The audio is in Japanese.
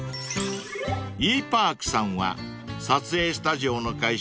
［Ｅ−Ｐａｒｋさんは撮影スタジオの会社